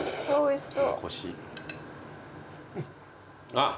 あっ。